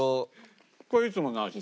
これいつもの味。